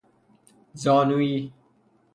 زانویی